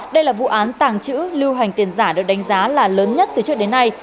đây là vụ án tàng trữ lưu hành tiền giả được đánh giá là lớn nhất từ trước đến nay